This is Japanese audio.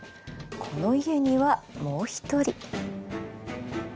この家にはもう一人。